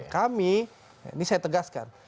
kami ini saya tegaskan